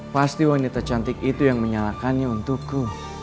pasti wanita cantik itu yang menyalakannya untukku